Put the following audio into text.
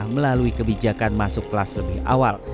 melalui kebijakan masuk kelas lebih awal